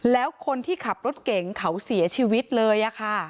แล้วคนที่ขับรถเก่งเขาเสียชีวิตเลยค่ะ